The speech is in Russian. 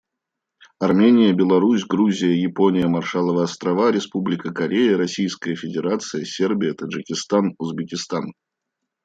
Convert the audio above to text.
Армения, Беларусь, Грузия, Япония, Маршалловы Острова, Республика Корея, Российская Федерация, Сербия, Таджикистан, Узбекистан.